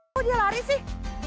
kok dia lari sih